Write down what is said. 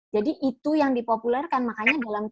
jadi itu yang dipopulerkan makanya dalam